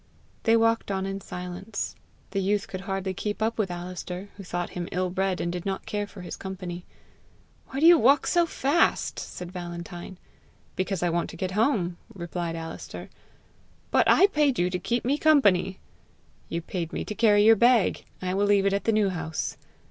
They walked on in silence. The youth could hardly keep up with Alister, who thought him ill bred, and did not care for his company. "Why do you walk so fast?" said Valentine. "Because I want to get home," replied Alister. "But I paid you to keep me company!" "You paid me to carry your bag. I will leave it at the New House."